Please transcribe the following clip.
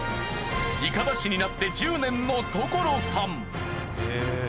筏師になって１０年の所さん。